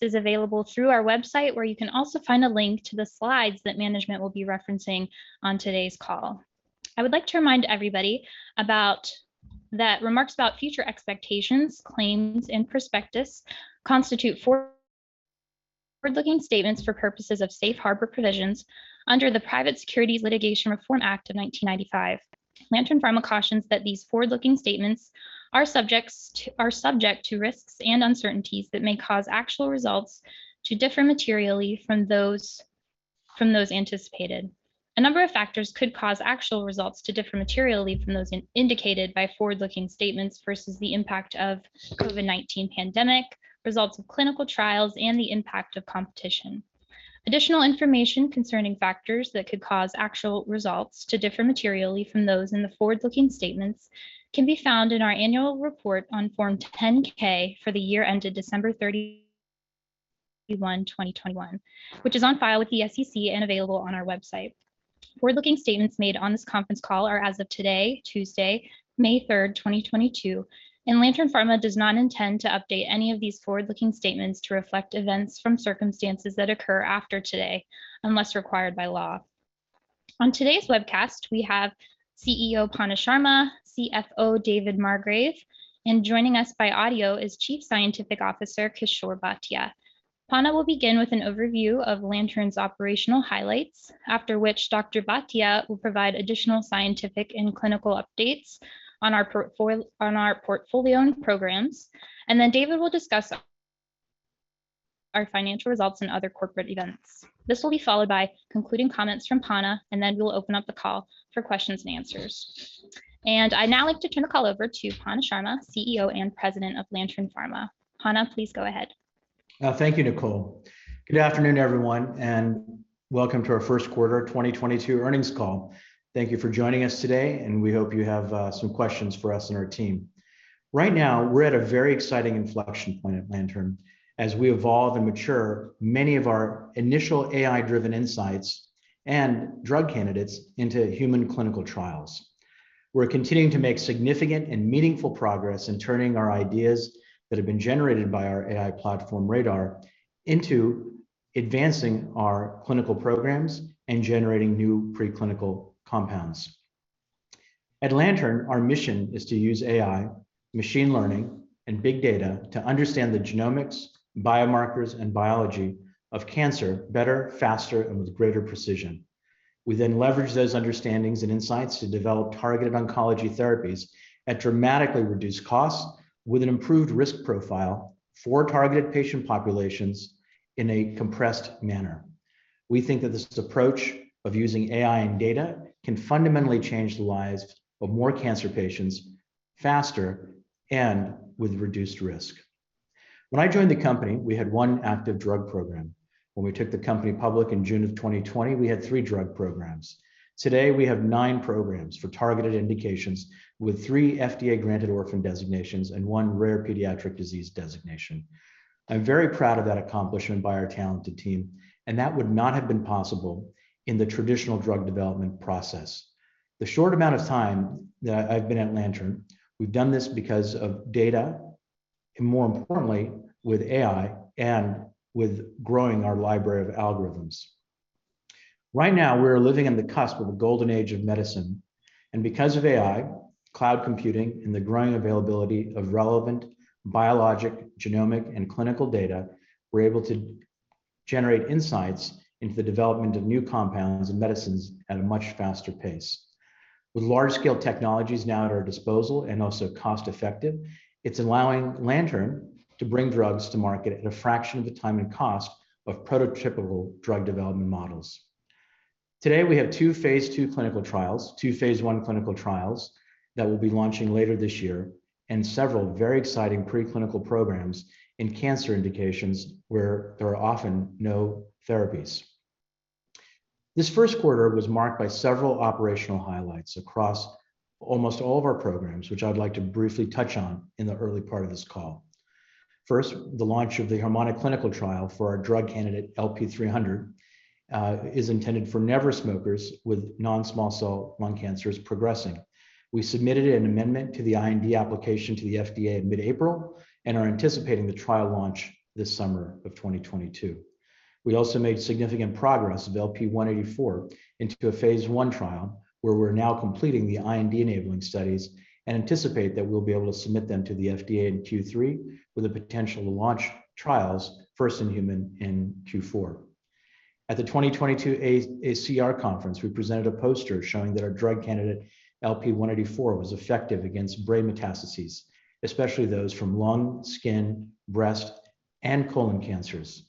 is available through our website, where you can also find a link to the slides that management will be referencing on today's call. I would like to remind everybody that remarks about future expectations, claims, and prospects constitute forward-looking statements for purposes of safe harbor provisions under the Private Securities Litigation Reform Act of 1995. Lantern Pharma cautions that these forward-looking statements are subject to risks and uncertainties that may cause actual results to differ materially from those anticipated. A number of factors could cause actual results to differ materially from those indicated by forward-looking statements such as the impact of COVID-19 pandemic, results of clinical trials, and the impact of competition. Additional information concerning factors that could cause actual results to differ materially from those in the forward-looking statements can be found in our annual report on Form 10-K for the year ended December 31, 2021, which is on file with the SEC and available on our website. Forward-looking statements made on this conference call are as of today, Tuesday, May 3, 2022, and Lantern Pharma does not intend to update any of these forward-looking statements to reflect events from circumstances that occur after today, unless required by law. On today's webcast, we have CEO Panna Sharma, CFO David Margrave, and joining us by audio is Chief Scientific Officer Kishor Bhatia. Panna will begin with an overview of Lantern's operational highlights, after which Dr. Bhatia will provide additional scientific and clinical updates on our portfolio and programs, and then David will discuss our financial results and other corporate events. This will be followed by concluding comments from Panna, and then we will open up the call for questions and answers. I'd now like to turn the call over to Panna Sharma, CEO and President of Lantern Pharma. Panna, please go ahead. Thank you, Nicole. Good afternoon, everyone, and welcome to our first quarter 2022 earnings call. Thank you for joining us today, and we hope you have some questions for us and our team. Right now, we're at a very exciting inflection point at Lantern as we evolve and mature many of our initial AI-driven insights and drug candidates into human clinical trials. We're continuing to make significant and meaningful progress in turning our ideas that have been generated by our AI platform, RADR, into advancing our clinical programs and generating new preclinical compounds. At Lantern, our mission is to use AI, machine learning, and big data to understand the genomics, biomarkers, and biology of cancer better, faster, and with greater precision. We then leverage those understandings and insights to develop targeted oncology therapies at dramatically reduced costs with an improved risk profile for targeted patient populations in a compressed manner. We think that this approach of using AI and data can fundamentally change the lives of more cancer patients faster and with reduced risk. When I joined the company, we had one active drug program. When we took the company public in June of 2020, we had three drug programs. Today, we have nine programs for targeted indications, with three FDA-granted orphan designations and one rare pediatric disease designation. I'm very proud of that accomplishment by our talented team, and that would not have been possible in the traditional drug development process. The short amount of time that I've been at Lantern, we've done this because of data, and more importantly, with AI and with growing our library of algorithms. Right now, we're living on the cusp of a golden age of medicine, and because of AI, cloud computing, and the growing availability of relevant biologic, genomic, and clinical data, we're able to generate insights into the development of new compounds and medicines at a much faster pace. With large-scale technologies now at our disposal, and also cost-effective, it's allowing Lantern to bring drugs to market at a fraction of the time and cost of prototypical drug development models. Today, we have two phase II clinical trials, two phase I clinical trials that we'll be launching later this year, and several very exciting preclinical programs in cancer indications where there are often no therapies. This first quarter was marked by several operational highlights across almost all of our programs, which I'd like to briefly touch on in the early part of this call. First, the launch of the HARMONIC clinical trial for our drug candidate LP-300 is intended for never smokers with non-small cell lung cancers progressing. We submitted an amendment to the IND application to the FDA in mid-April and are anticipating the trial launch this summer of 2022. We also made significant progress of LP-184 into a phase I trial, where we're now completing the IND-enabling studies and anticipate that we'll be able to submit them to the FDA in Q3, with the potential to launch trials first in human in Q4. At the 2022 AACR conference, we presented a poster showing that our drug candidate, LP-184, was effective against brain metastases, especially those from lung, skin, breast, and colon cancers.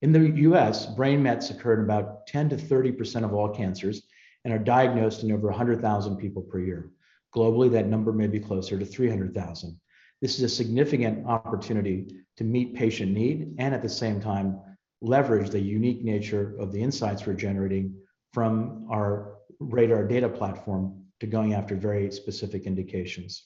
In the US, brain mets occur in about 10%-30% of all cancers and are diagnosed in over 100,000 people per year. Globally, that number may be closer to 300,000. This is a significant opportunity to meet patient need and, at the same time, leverage the unique nature of the insights we're generating from our RADR data platform to going after very specific indications.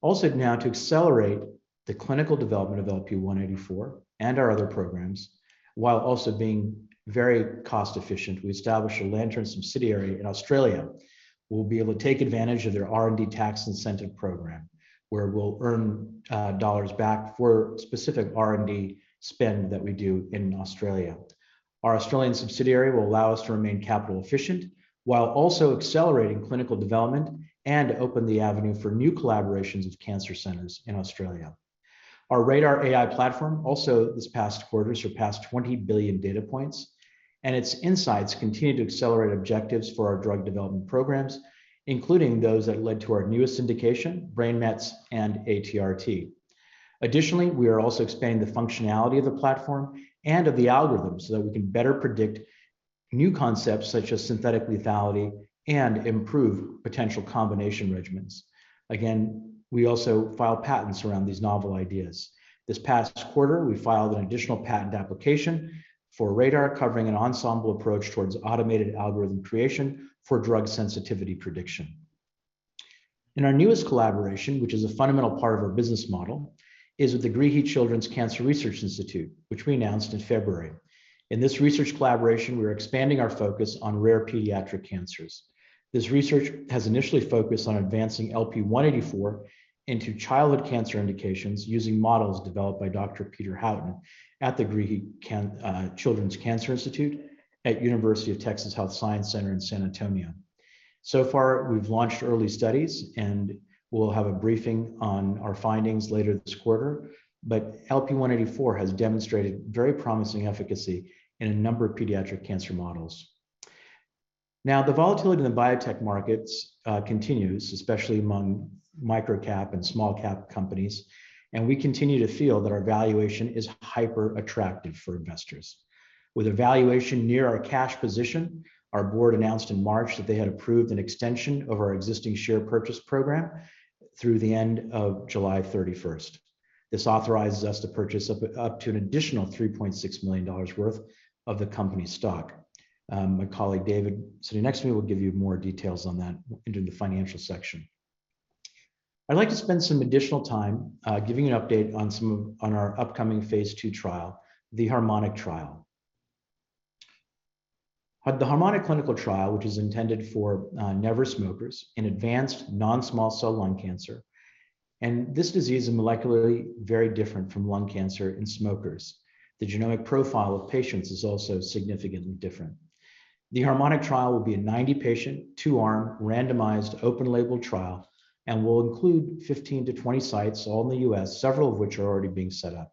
Also now to accelerate the clinical development of LP-184 and our other programs, while also being very cost efficient, we established a Lantern subsidiary in Australia. We'll be able to take advantage of their R&D tax incentive program, where we'll earn $ back for specific R&D spend that we do in Australia. Our Australian subsidiary will allow us to remain capital efficient while also accelerating clinical development and open the avenue for new collaborations with cancer centers in Australia. Our RADR AI platform also this past quarter surpassed 20 billion data points, and its insights continue to accelerate objectives for our drug development programs, including those that led to our newest indication, brain mets and ATRT. Additionally, we are also expanding the functionality of the platform and of the algorithm so that we can better predict new concepts such as synthetic lethality and improve potential combination regimens. Again, we also file patents around these novel ideas. This past quarter, we filed an additional patent application for RADR covering an ensemble approach towards automated algorithm creation for drug sensitivity prediction. In our newest collaboration, which is a fundamental part of our business model, is with the Greehey Children's Cancer Research Institute, which we announced in February. In this research collaboration, we are expanding our focus on rare pediatric cancers. This research has initially focused on advancing LP-184 into childhood cancer indications using models developed by Dr. Peter Houghton at the Greehey Children's Cancer Research Institute at University of Texas Health Science Center in San Antonio. So far, we've launched early studies, and we'll have a briefing on our findings later this quarter. LP-184 has demonstrated very promising efficacy in a number of pediatric cancer models. Now, the volatility in the biotech markets continues, especially among micro-cap and small-cap companies, and we continue to feel that our valuation is hyper attractive for investors. With a valuation near our cash position, our board announced in March that they had approved an extension of our existing share purchase program through the end of July 31. This authorizes us to purchase up to an additional $3.6 million worth of the company's stock. My colleague, David, sitting next to me, will give you more details on that in the financial section. I'd like to spend some additional time, giving you an update on our upcoming phase II trial, the HARMONIC trial. The HARMONIC clinical trial, which is intended for never smokers in advanced non-small cell lung cancer, and this disease is molecularly very different from lung cancer in smokers. The genomic profile of patients is also significantly different. The HARMONIC trial will be a 90-patient, two-arm, randomized, open-label trial and will include 15-20 sites all in the U.S., several of which are already being set up.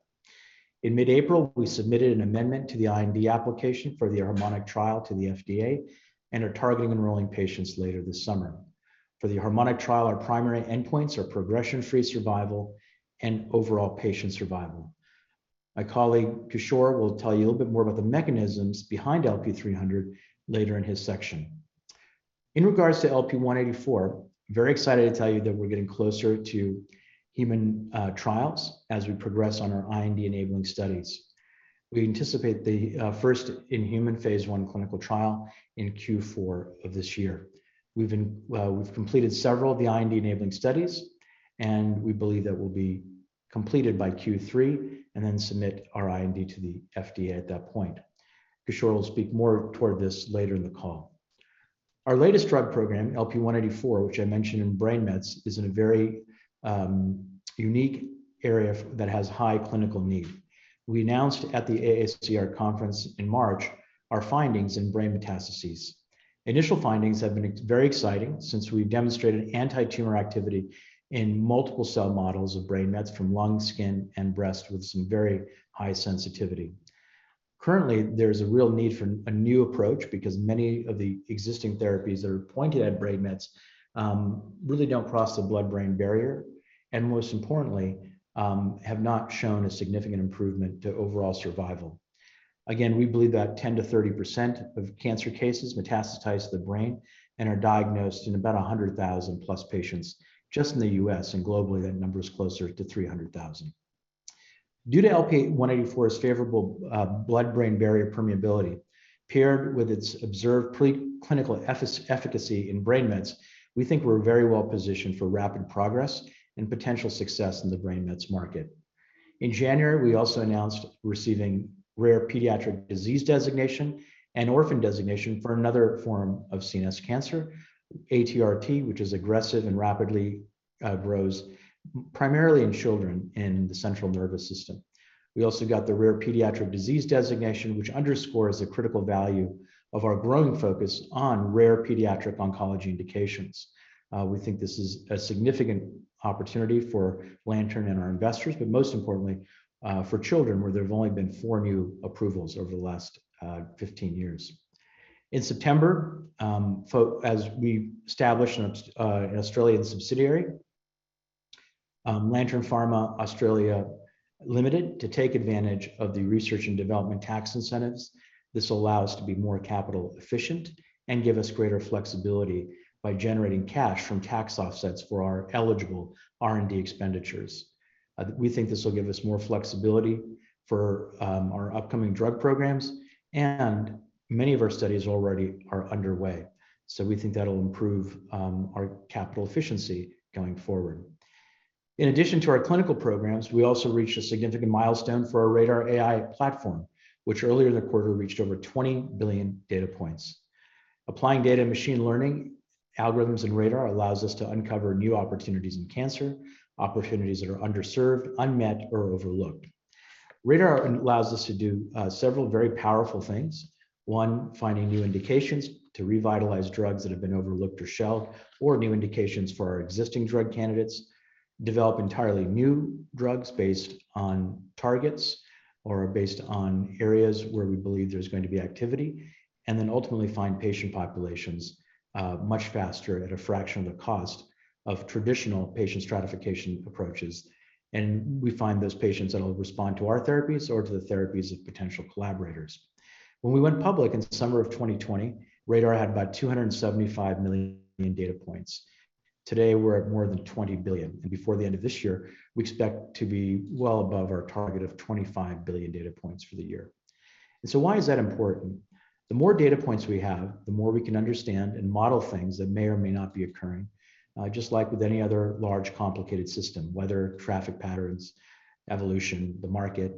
In mid-April, we submitted an amendment to the IND application for the HARMONIC trial to the FDA and are targeting enrolling patients later this summer. For the HARMONIC trial, our primary endpoints are progression-free survival and overall patient survival. My colleague, Kishor, will tell you a little bit more about the mechanisms behind LP-300 later in his section. In regards to LP-184, very excited to tell you that we're getting closer to human trials as we progress on our IND-enabling studies. We anticipate the first in human phase I clinical trial in Q4 of this year. We've completed several of the IND-enabling studies, and we believe that we'll be completed by Q3 and then submit our IND to the FDA at that point. Kishor will speak more toward this later in the call. Our latest drug program, LP-184, which I mentioned in brain mets, is in a very unique area that has high clinical need. We announced at the AACR conference in March our findings in brain metastases. Initial findings have been very exciting since we've demonstrated anti-tumor activity in multiple cell models of brain mets from lung, skin, and breast with some very high sensitivity. Currently, there's a real need for a new approach because many of the existing therapies that are pointed at brain mets really don't cross the blood-brain barrier, and most importantly, have not shown a significant improvement to overall survival. Again, we believe that 10%-30% of cancer cases metastasize to the brain and are diagnosed in about 100,000+ patients just in the US, and globally that number is closer to 300,000. Due to LP-184's favorable blood-brain barrier permeability paired with its observed pre-clinical efficacy in brain mets, we think we're very well positioned for rapid progress and potential success in the brain mets market. In January, we also announced receiving rare pediatric disease designation and orphan designation for another form of CNS cancer, ATRT, which is aggressive and rapidly grows primarily in children in the central nervous system. We also got the rare pediatric disease designation, which underscores the critical value of our growing focus on rare pediatric oncology indications. We think this is a significant opportunity for Lantern and our investors, but most importantly, for children, where there have only been four new approvals over the last 15 years. In September, we established an Australian subsidiary, Lantern Pharma Australia Pty Ltd, to take advantage of the research and development tax incentives. This will allow us to be more capital efficient and give us greater flexibility by generating cash from tax offsets for our eligible R&D expenditures. We think this will give us more flexibility for our upcoming drug programs, and many of our studies already are underway. We think that'll improve our capital efficiency going forward. In addition to our clinical programs, we also reached a significant milestone for our RADR AI platform, which earlier in the quarter reached over 20 billion data points. Applying data machine learning algorithms in RADR allows us to uncover new opportunities in cancer, opportunities that are underserved, unmet, or overlooked. RADR allows us to do several very powerful things. One, finding new indications to revitalize drugs that have been overlooked or shelved, or new indications for our existing drug candidates, develop entirely new drugs based on targets or based on areas where we believe there's going to be activity, and then ultimately find patient populations much faster at a fraction of the cost of traditional patient stratification approaches. We find those patients that'll respond to our therapies or to the therapies of potential collaborators. When we went public in the summer of 2020, RADR had about 275 million data points. Today, we're at more than 20 billion, and before the end of this year, we expect to be well above our target of 25 billion data points for the year. Why is that important? The more data points we have, the more we can understand and model things that may or may not be occurring, just like with any other large complicated system, weather, traffic patterns, evolution, the market.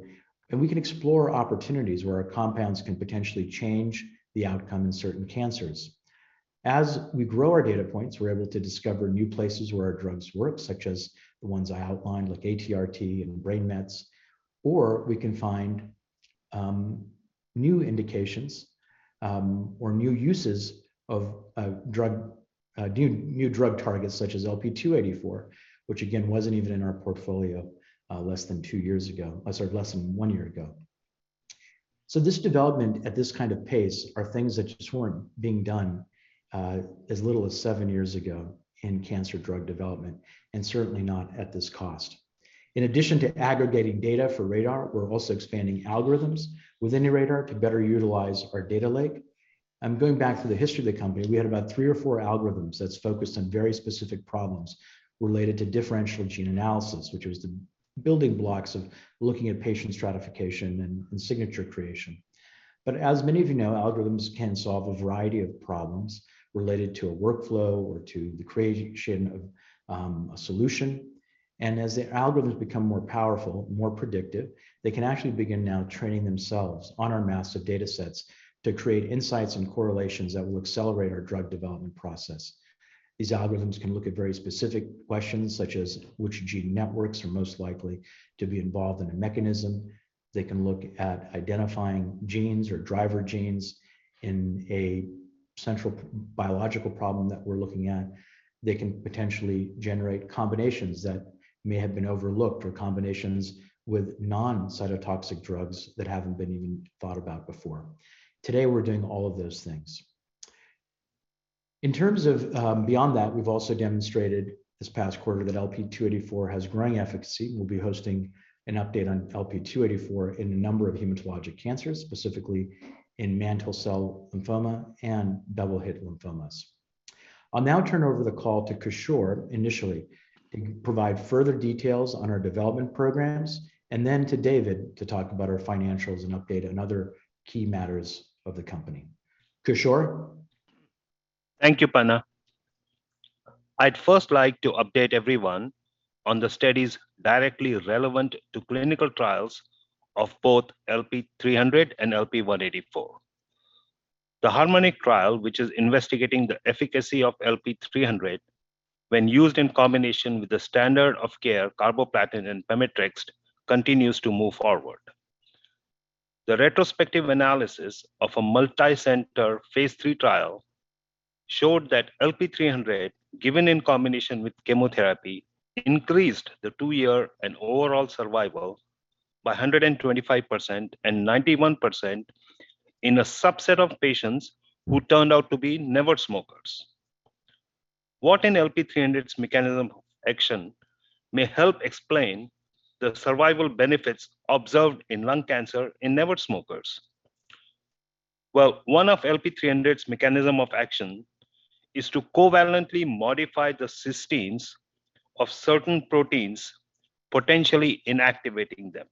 We can explore opportunities where our compounds can potentially change the outcome in certain cancers. As we grow our data points, we're able to discover new places where our drugs work, such as the ones I outlined, like ATRT and brain mets, or we can find new indications, or new uses of a drug, new drug targets such as LP-284, which again, wasn't even in our portfolio, less than 2 years ago, or sorry, less than 1 year ago. This development at this kind of pace are things that just weren't being done, as little as 7 years ago in cancer drug development, and certainly not at this cost. In addition to aggregating data for RADR, we're also expanding algorithms within the RADR to better utilize our data lake. Going back through the history of the company, we had about three or four algorithms that's focused on very specific problems related to differential gene analysis, which was the building blocks of looking at patient stratification and signature creation. As many of you know, algorithms can solve a variety of problems related to a workflow or to the creation of a solution. As the algorithms become more powerful, more predictive, they can actually begin now training themselves on our massive datasets to create insights and correlations that will accelerate our drug development process. These algorithms can look at very specific questions, such as which gene networks are most likely to be involved in a mechanism. They can look at identifying genes or driver genes in a central biological problem that we're looking at. They can potentially generate combinations that may have been overlooked or combinations with non-cytotoxic drugs that haven't been even thought about before. Today, we're doing all of those things. In terms of, beyond that, we've also demonstrated this past quarter that LP-284 has growing efficacy, and we'll be hosting an update on LP-284 in a number of hematologic cancers, specifically in mantle cell lymphoma and double hit lymphomas. I'll now turn over the call to Kishor initially to provide further details on our development programs, and then to David to talk about our financials and update on other key matters of the company. Kishor? Thank you, Panna. I'd first like to update everyone on the studies directly relevant to clinical trials of both LP-300 and LP-184. The HARMONIC trial, which is investigating the efficacy of LP-300 when used in combination with the standard of care carboplatin and pemetrexed, continues to move forward. The retrospective analysis of a multicenter phase III trial showed that LP-300, given in combination with chemotherapy, increased the 2-year and overall survival by 125% and 91% in a subset of patients who turned out to be never smokers. What in LP-300's mechanism of action may help explain the survival benefits observed in lung cancer in never smokers? Well, one of LP-300's mechanism of action is to covalently modify the cysteines of certain proteins, potentially inactivating them.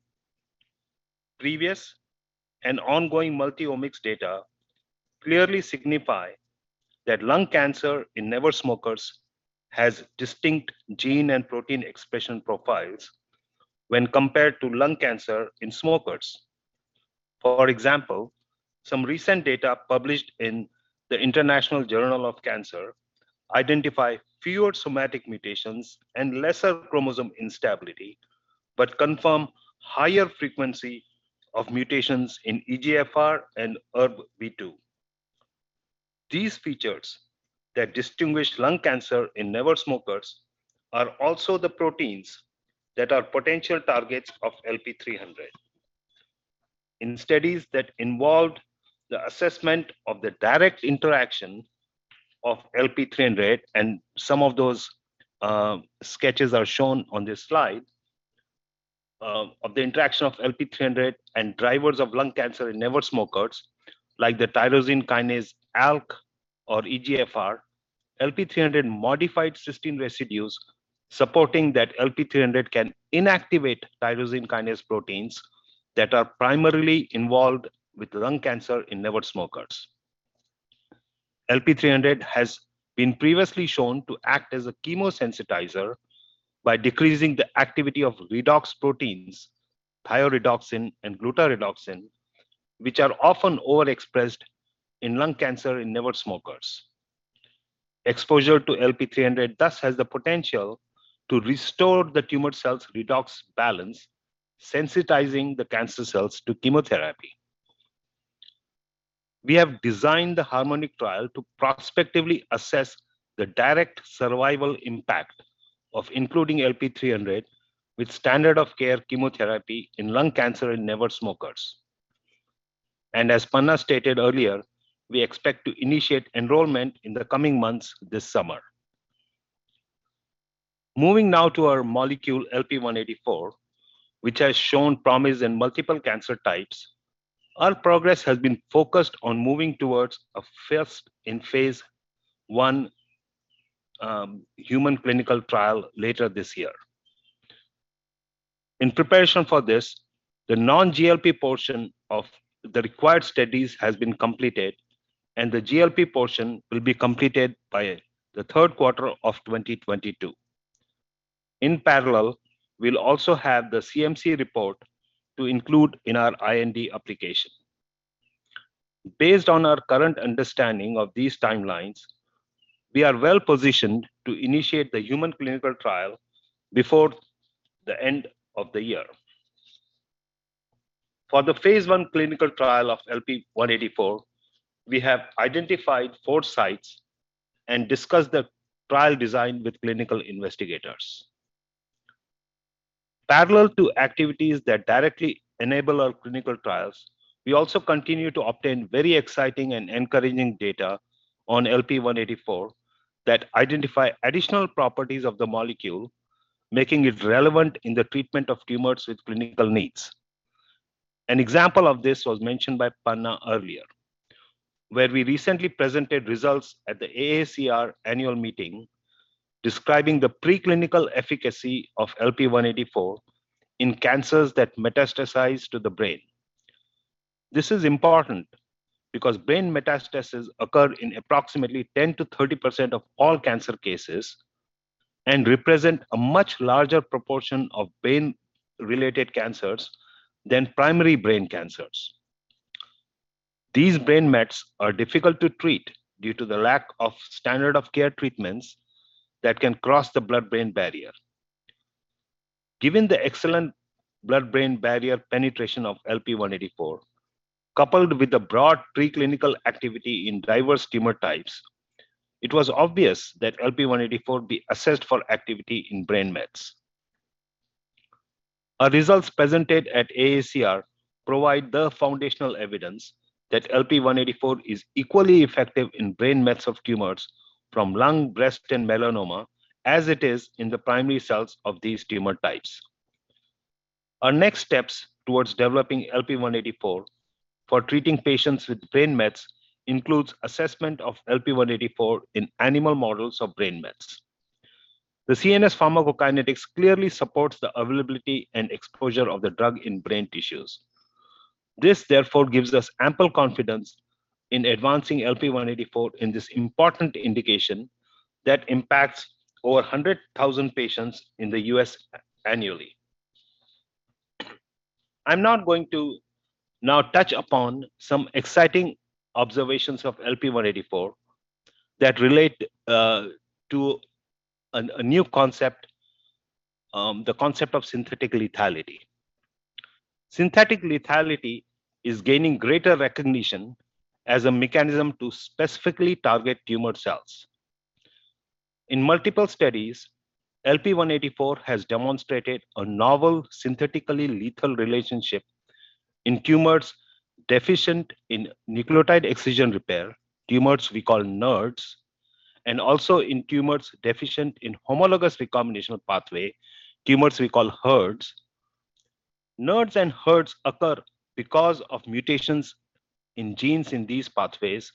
Previous and ongoing multi-omics data clearly signify that lung cancer in never smokers has distinct gene and protein expression profiles when compared to lung cancer in smokers. For example, some recent data published in the International Journal of Cancer identify fewer somatic mutations and lesser chromosome instability, but confirm higher frequency of mutations in EGFR and ERBB2. These features that distinguish lung cancer in never smokers are also the proteins that are potential targets of LP-300. In studies that involved the assessment of the direct interaction of LP-300, and some of those sketches are shown on this slide of the interaction of LP-300 and drivers of lung cancer in never smokers, like the tyrosine kinase ALK or EGFR, LP-300 modified cysteine residues supporting that LP-300 can inactivate tyrosine kinase proteins that are primarily involved with lung cancer in never smokers. LP300 has been previously shown to act as a chemo sensitizer by decreasing the activity of redox proteins, thioredoxin and glutaredoxin, which are often overexpressed in lung cancer in never smokers. Exposure to LP300 thus has the potential to restore the tumor cells' redox balance, sensitizing the cancer cells to chemotherapy. We have designed the HARMONIC trial to prospectively assess the direct survival impact of including LP300 with standard of care chemotherapy in lung cancer in never smokers. As Panna stated earlier, we expect to initiate enrollment in the coming months this summer. Moving now to our molecule LP-184, which has shown promise in multiple cancer types, our progress has been focused on moving towards a first in phase I human clinical trial later this year. In preparation for this, the non-GLP portion of the required studies has been completed, and the GLP portion will be completed by the third quarter of 2022. In parallel, we'll also have the CMC report to include in our IND application. Based on our current understanding of these timelines, we are well-positioned to initiate the human clinical trial before the end of the year. For the phase I clinical trial of LP-184, we have identified 4 sites and discussed the trial design with clinical investigators. Parallel to activities that directly enable our clinical trials, we also continue to obtain very exciting and encouraging data on LP-184 that identify additional properties of the molecule, making it relevant in the treatment of tumors with clinical needs. An example of this was mentioned by Panna earlier, where we recently presented results at the AACR annual meeting describing the preclinical efficacy of LP-184 in cancers that metastasize to the brain. This is important because brain metastases occur in approximately 10%-30% of all cancer cases and represent a much larger proportion of brain-related cancers than primary brain cancers. These brain mets are difficult to treat due to the lack of standard of care treatments that can cross the blood-brain barrier. Given the excellent blood-brain barrier penetration of LP-184, coupled with the broad preclinical activity in diverse tumor types, it was obvious that LP-184 be assessed for activity in brain mets. Our results presented at AACR provide the foundational evidence that LP-184 is equally effective in brain mets of tumors from lung, breast, and melanoma as it is in the primary cells of these tumor types. Our next steps towards developing LP-184 for treating patients with brain mets includes assessment of LP-184 in animal models of brain mets. The CNS pharmacokinetics clearly supports the availability and exposure of the drug in brain tissues. This, therefore, gives us ample confidence in advancing LP-184 in this important indication that impacts over 100,000 patients in the U.S. annually. I'm now going to touch upon some exciting observations of LP-184 that relate to a new concept, the concept of synthetic lethality. Synthetic lethality is gaining greater recognition as a mechanism to specifically target tumor cells. In multiple studies, LP-184 has demonstrated a novel synthetically lethal relationship in tumors deficient in nucleotide excision repair, tumors we call NERDs, and also in tumors deficient in homologous recombination pathway, tumors we call HERDs. NERDs and HERDs occur because of mutations in genes in these pathways,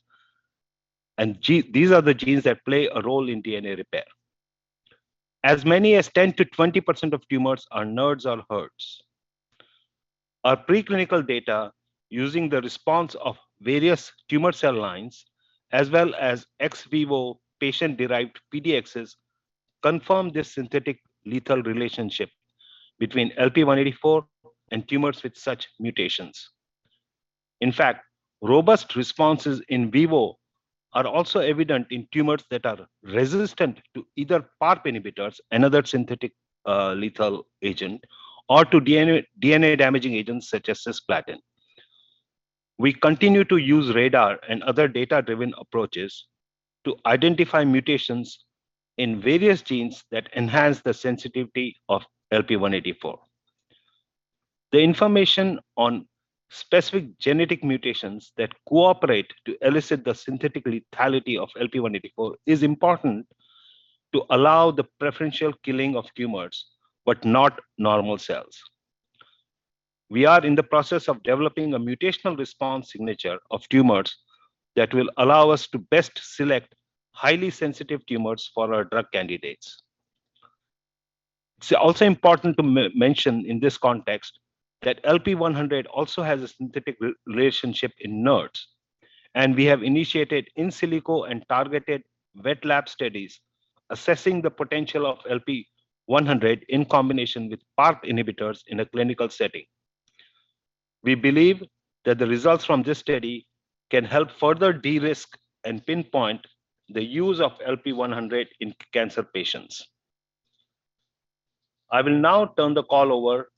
these are the genes that play a role in DNA repair. As many as 10%-20% of tumors are NERDs or HERDs. Our preclinical data using the response of various tumor cell lines as well as ex vivo patient-derived PDXs confirm this synthetic lethal relationship between LP-184 and tumors with such mutations. In fact, robust responses in vivo are also evident in tumors that are resistant to either PARP inhibitors, another synthetic lethal agent, or to DNA-damaging agents such as cisplatin. We continue to use RADR and other data-driven approaches to identify mutations in various genes that enhance the sensitivity of LP-184. The information on specific genetic mutations that cooperate to elicit the synthetic lethality of LP-184 is important to allow the preferential killing of tumors but not normal cells. We are in the process of developing a mutational response signature of tumors that will allow us to best select highly sensitive tumors for our drug candidates. It's also important to mention in this context that LP-100 also has a synthetic relationship in NERs, and we have initiated in silico and targeted wet lab studies assessing the potential of LP-100 in combination with PARP inhibitors in a clinical setting. We believe that the results from this study can help further de-risk and pinpoint the use of LP-100 in cancer patients. I will now turn the call over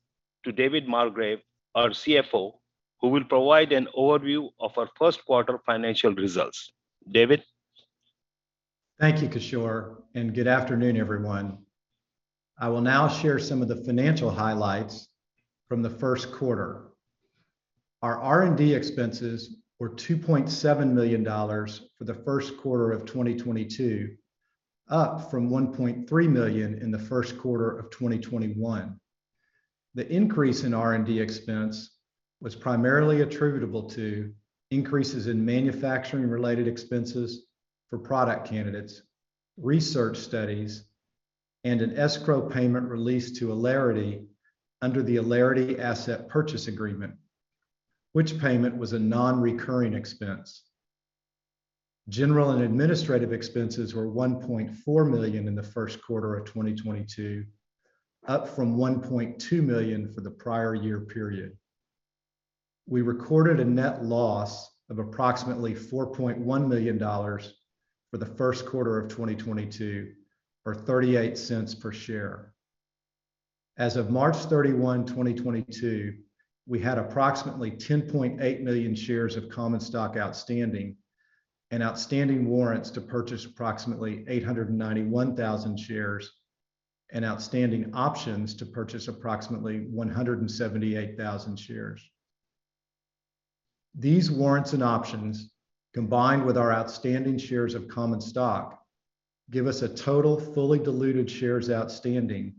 to David R. Margrave, our CFO, who will provide an overview of our first quarter financial results. David? Thank you, Kishor, and good afternoon, everyone. I will now share some of the financial highlights from the first quarter. Our R&D expenses were $2.7 million for the first quarter of 2022, up from $1.3 million in the first quarter of 2021. The increase in R&D expense was primarily attributable to increases in manufacturing-related expenses for product candidates, research studies, and an escrow payment released to Allarity under the Allarity asset purchase agreement, which payment was a non-recurring expense. General and administrative expenses were $1.4 million in the first quarter of 2022, up from $1.2 million for the prior year period. We recorded a net loss of approximately $4.1 million for the first quarter of 2022, or $0.38 per share. As of March 31, 2022, we had approximately 10.8 million shares of common stock outstanding and outstanding warrants to purchase approximately 891,000 shares and outstanding options to purchase approximately 178,000 shares. These warrants and options, combined with our outstanding shares of common stock, give us a total fully diluted shares outstanding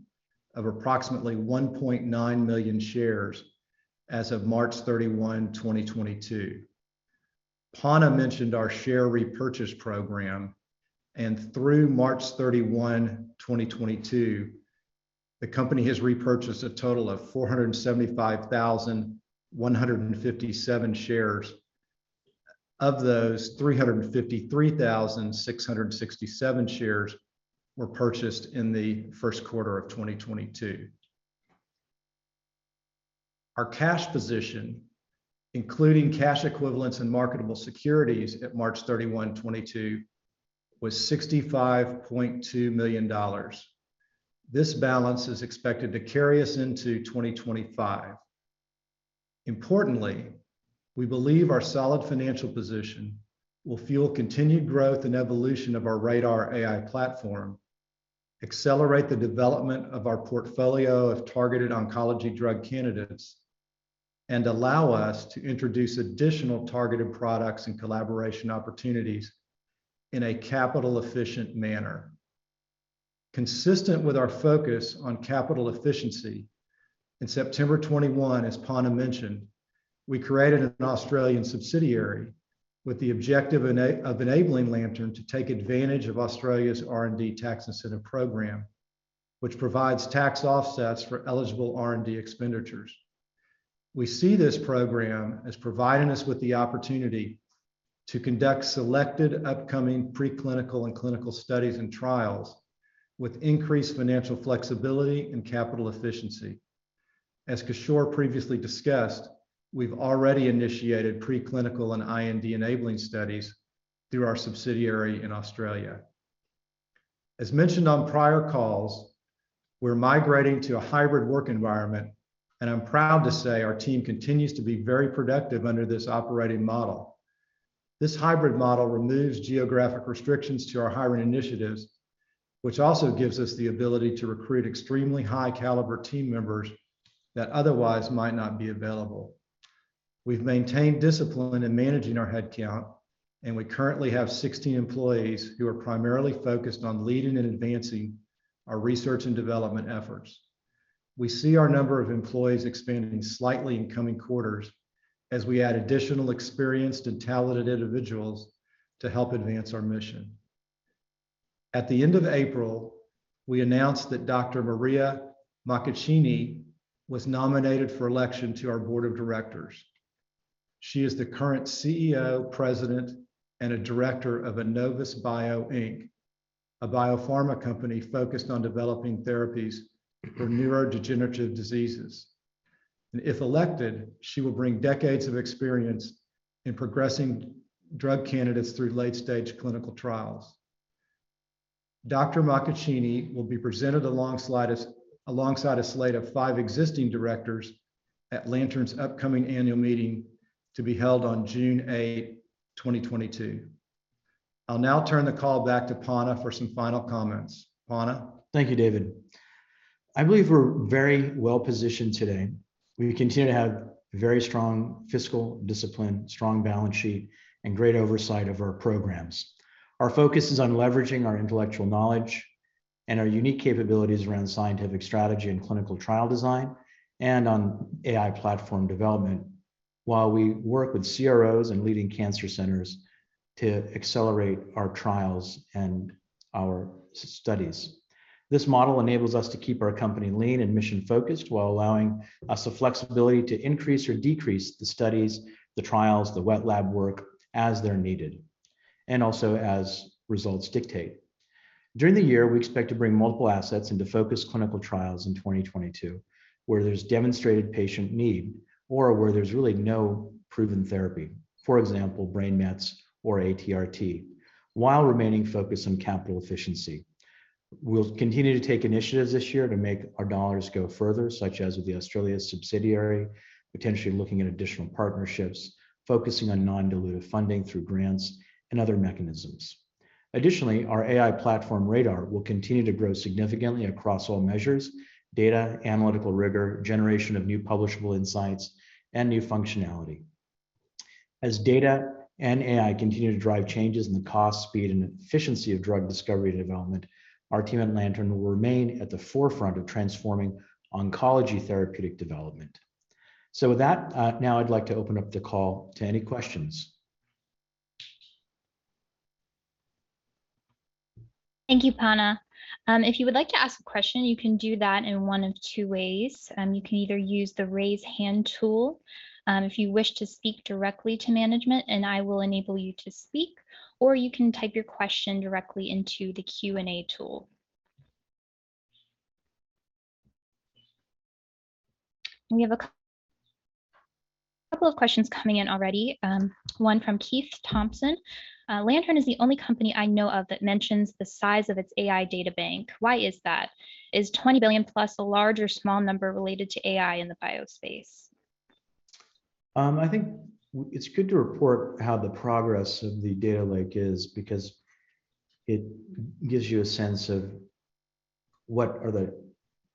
of approximately 1.9 million shares as of March 31, 2022. Panna mentioned our share repurchase program, and through March 31, 2022, the company has repurchased a total of 475,157 shares. Of those, 353,667 shares were purchased in the first quarter of 2022. Our cash position, including cash equivalents and marketable securities at March 31, 2022, was $65.2 million. This balance is expected to carry us into 2025. Importantly, we believe our solid financial position will fuel continued growth and evolution of our RADR AI platform, accelerate the development of our portfolio of targeted oncology drug candidates, and allow us to introduce additional targeted products and collaboration opportunities in a capital-efficient manner. Consistent with our focus on capital efficiency, in September 2021, as Panna mentioned, we created an Australian subsidiary with the objective of enabling Lantern to take advantage of Australia's R&D tax incentive program, which provides tax offsets for eligible R&D expenditures. We see this program as providing us with the opportunity to conduct selected upcoming preclinical and clinical studies and trials with increased financial flexibility and capital efficiency. As Kishor previously discussed, we've already initiated preclinical and IND-enabling studies through our subsidiary in Australia. As mentioned on prior calls, we're migrating to a hybrid work environment, and I'm proud to say our team continues to be very productive under this operating model. This hybrid model removes geographic restrictions to our hiring initiatives, which also gives us the ability to recruit extremely high-caliber team members that otherwise might not be available. We've maintained discipline in managing our head count, and we currently have 60 employees who are primarily focused on leading and advancing our research and development efforts. We see our number of employees expanding slightly in coming quarters as we add additional experienced and talented individuals to help advance our mission. At the end of April, we announced that Maria Maccecchini was nominated for election to our board of directors. She is the current CEO, President, and Director of Annovis Bio, Inc., a biopharma company focused on developing therapies for neurodegenerative diseases. If elected, she will bring decades of experience in progressing drug candidates through late-stage clinical trials. Dr. Maccecchini will be presented alongside a slate of five existing directors at Lantern's upcoming annual meeting to be held on June 8, 2022. I'll now turn the call back to Panna for some final comments. Panna? Thank you, David. I believe we're very well-positioned today. We continue to have very strong fiscal discipline, strong balance sheet, and great oversight of our programs. Our focus is on leveraging our intellectual knowledge and our unique capabilities around scientific strategy and clinical trial design and on AI platform development while we work with CROs and leading cancer centers to accelerate our trials and our studies. This model enables us to keep our company lean and mission-focused while allowing us the flexibility to increase or decrease the studies, the trials, the wet lab work as they're needed, and also as results dictate. During the year, we expect to bring multiple assets into focused clinical trials in 2022 where there's demonstrated patient need or where there's really no proven therapy. For example, brain mets or ATRT while remaining focused on capital efficiency. We'll continue to take initiatives this year to make our dollars go further, such as with the Australia subsidiary, potentially looking at additional partnerships, focusing on non-dilutive funding through grants and other mechanisms. Additionally, our AI platform RADR will continue to grow significantly across all measures, data, analytical rigor, generation of new publishable insights, and new functionality. As data and AI continue to drive changes in the cost, speed, and efficiency of drug discovery and development, our team at Lantern will remain at the forefront of transforming oncology therapeutic development. With that, now I'd like to open up the call to any questions. Thank you, Panna. If you would like to ask a question, you can do that in one of two ways. You can either use the Raise Hand tool, if you wish to speak directly to management, and I will enable you to speak, or you can type your question directly into the Q&A tool. We have a couple of questions coming in already, one from Keith Thompson. "Lantern is the only company I know of that mentions the size of its AI data bank. Why is that? Is 20 billion-plus a large or small number related to AI in the bio space? I think it's good to report how the progress of the data lake is because it gives you a sense of what are the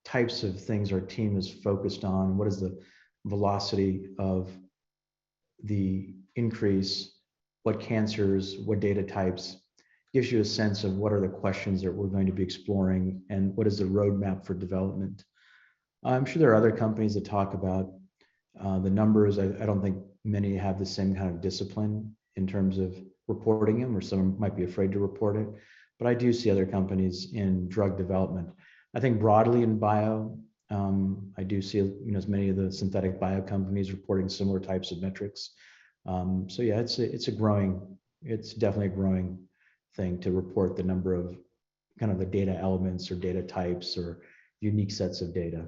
types of things our team is focused on, what is the velocity of the increase, what cancers, what data types. It gives you a sense of what are the questions that we're going to be exploring, and what is the roadmap for development. I'm sure there are other companies that talk about the numbers. I don't think many have the same kind of discipline in terms of reporting them, or some might be afraid to report it. I do see other companies in drug development. I think broadly in bio, I do see, you know, as many of the synthetic bio companies reporting similar types of metrics. Yeah, it's definitely a growing thing to report the number of kind of the data elements or data types or unique sets of data.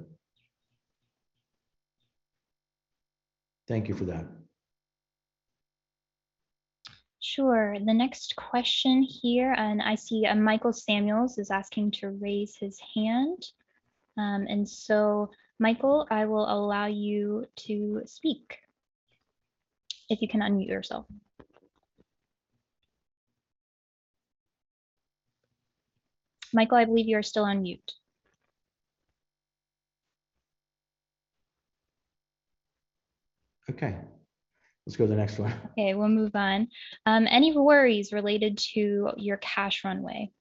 Thank you for that. Sure. The next question here, and I see a Michael Samuels is asking to raise his hand. Michael, I will allow you to speak if you can unmute yourself. Michael, I believe you are still on mute. Okay, let's go to the next one. Okay, we'll move on. Any worries related to your cash runway?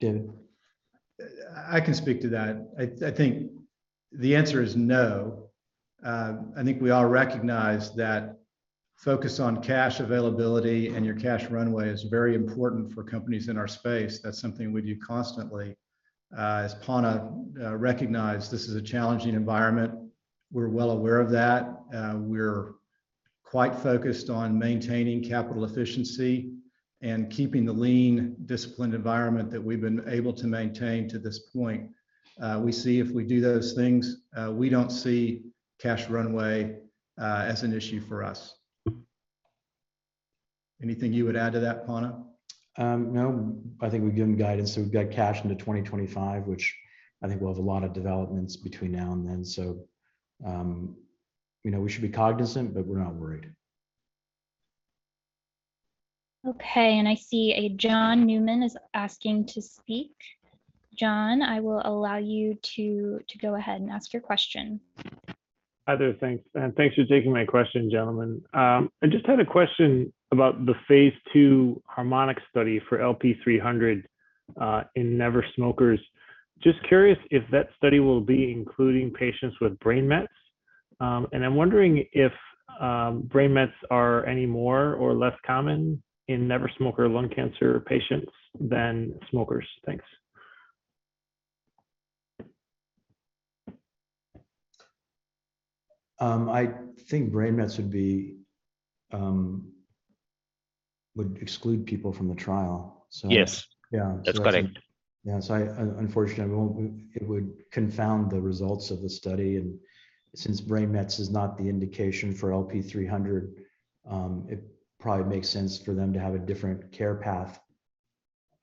David? I can speak to that. I think the answer is no. I think we all recognize that focus on cash availability and your cash runway is very important for companies in our space. That's something we do constantly. As Panna recognized, this is a challenging environment. We're well aware of that. We're quite focused on maintaining capital efficiency and keeping the lean, disciplined environment that we've been able to maintain to this point. We see if we do those things, we don't see cash runway as an issue for us. Anything you would add to that, Panna? No. I think we've given guidance, so we've got cash into 2025, which I think we'll have a lot of developments between now and then. You know, we should be cognizant, but we're not worried. Okay, I see John Newman is asking to speak. John, I will allow you to go ahead and ask your question. Hi there. Thanks. Thanks for taking my question, gentlemen. I just had a question about the phase II HARMONIC study for LP-300 in never smokers. Just curious if that study will be including patients with brain mets. I'm wondering if brain mets are any more or less common in never smoker lung cancer patients than smokers. Thanks. I think brain mets would exclude people from the trial. Yes. Yeah. That's correct. Unfortunately, it would confound the results of the study. Since brain mets is not the indication for LP-300, it probably makes sense for them to have a different care path,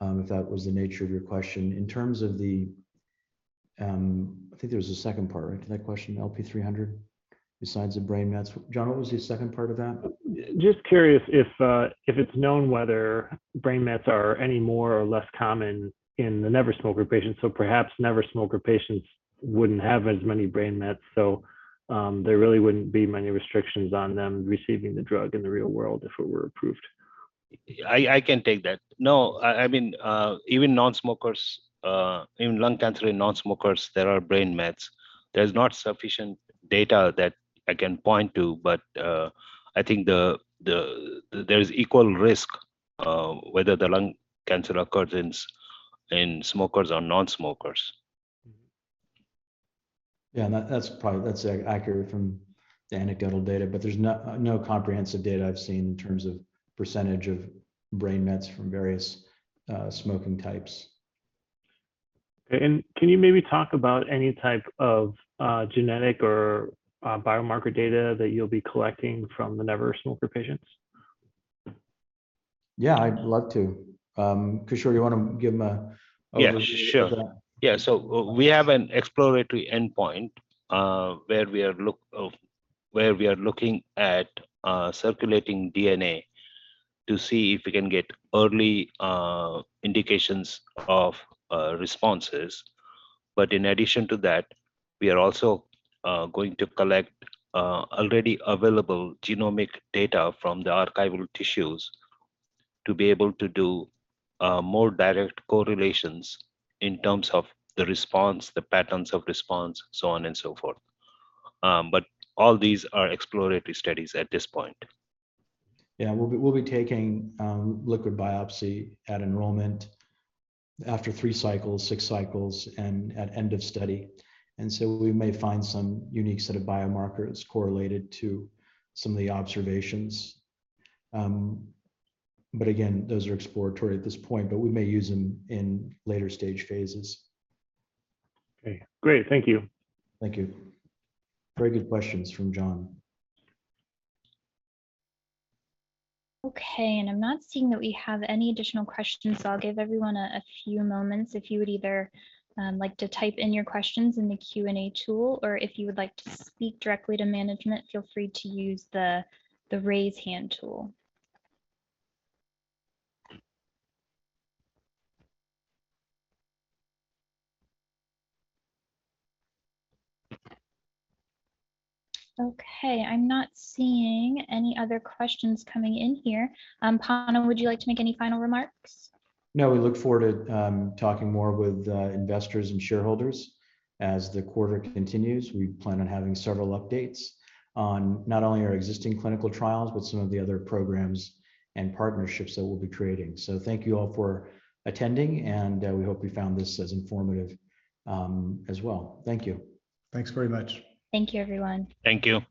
if that was the nature of your question. In terms of them, I think there was a second part to that question, LP-300 besides the brain mets. John, what was the second part of that? Just curious if it's known whether brain mets are any more or less common in the never-smoker patients? Perhaps never-smoker patients wouldn't have as many brain mets, so there really wouldn't be many restrictions on them receiving the drug in the real world if it were approved. I can take that. No, I mean even non-smokers in lung cancer in non-smokers, there are brain mets. There's not sufficient data that I can point to. I think there is equal risk whether the lung cancer occurs in smokers or non-smokers. Yeah. That's accurate from the anecdotal data, but there's no comprehensive data I have seen in terms of percentage of brain mets from various smoking types. Okay. Can you maybe talk about any type of genetic or biomarker data that you'll be collecting from the never-smoker patients? Yeah, I'd love to. Kishor, you wanna give them a Yeah, sure. Overview of that? Yeah. We have an exploratory endpoint where we are looking at circulating DNA to see if we can get early indications of responses. In addition to that, we are also going to collect already available genomic data from the archival tissues to be able to do more direct correlations in terms of the response, the patterns of response, so on and so forth. All these are exploratory studies at this point. Yeah. We'll be taking liquid biopsy at enrollment after three cycles, six cycles, and at end of study. We may find some unique set of biomarkers correlated to some of the observations. Again, those are exploratory at this point. We may use them in later stage phases. Okay. Great. Thank you. Thank you. Very good questions from John. Okay. I'm not seeing that we have any additional questions, so I'll give everyone a few moments. If you would either like to type in your questions in the Q&A tool, or if you would like to speak directly to management, feel free to use the Raise Hand tool. Okay. I'm not seeing any other questions coming in here. Panna, would you like to make any final remarks? No. We look forward to talking more with investors and shareholders as the quarter continues. We plan on having several updates on not only our existing clinical trials, but some of the other programs and partnerships that we'll be creating. Thank you all for attending, and we hope you found this as informative as well. Thank you. Thanks very much. Thank you, everyone. Thank you.